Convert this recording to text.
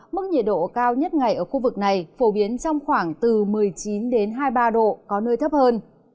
mức nhiệt độ cao nhất ngày ở khu vực này phổ biến trong khoảng từ một mươi chín đến hai mươi ba độ có nơi thấp hơn